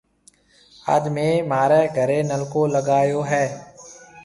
آج ميه مهاريَ گھريَ نلڪو لاگائيو هيَ۔